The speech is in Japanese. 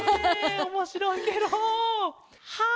おもしろいケロ！はあ